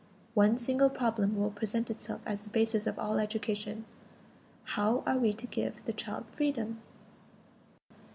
one single problem will present itself as the basis of all education: How are we to give the child freedom?